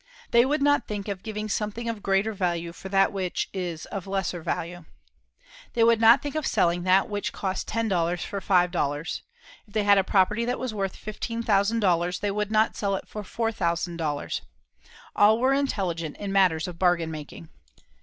They would not think of giving something of greater value for that which is of lesser value. They would not think of selling that which cost ten dollars for five dollars. If they had a property that was worth $15,000, they would not sell it for $4,000. All were intelligent in matters of bargain making.